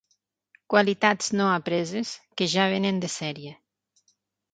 Qualitats no apreses, que ja venen de sèrie.